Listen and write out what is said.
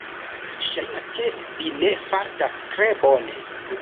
Ŝajnas, ke vi ne fartas tre bone.